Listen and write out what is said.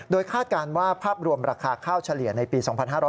คาดการณ์ว่าภาพรวมราคาข้าวเฉลี่ยในปี๒๕๕๙